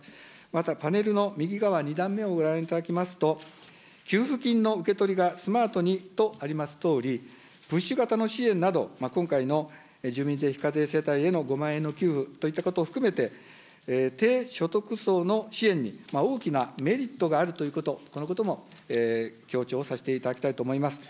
またパネルの右側２段目をご覧いただきますと、給付金の受け取りがスマートにとありますとおり、プッシュ型の支援など、今回の住民税非課税世帯への支援など、５万円の給付といったところを含めて、低所得層の支援に大きなメリットがあること、このことも強調をさせていただきたいと思います。